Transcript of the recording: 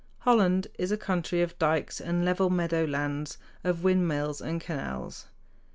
Holland is a country of dikes and level meadow lands, of windmills and canals.